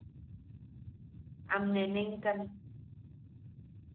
Am- nenenkan.